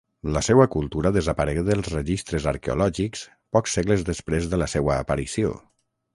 La seua cultura desaparegué dels registres arqueològics pocs segles després de la seua aparició.